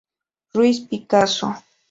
Ruiz Picasso.